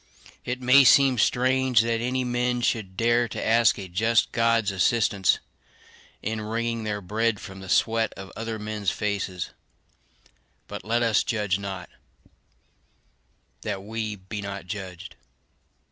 It may seem strange that any men should dare to ask a just God's assistance in wringing their bread from the sweat of other men's faces; but let us judge not, that we be not judged.